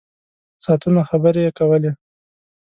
ساعتونه خبرې کولې.